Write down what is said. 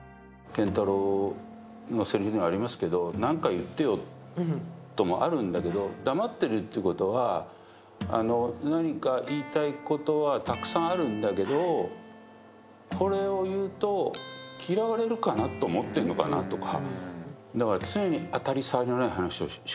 健太郎のせりふにもありますけど、何か言ってよというのもあるんだけど、黙ってるってことは、何か言いたいことはたくさんあるんだけどこれを言うと嫌われるかなと思ってるのかなとか。